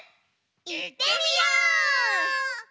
いってみよう！